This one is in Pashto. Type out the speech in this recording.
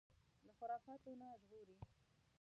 له خرافاتو نه ژغوري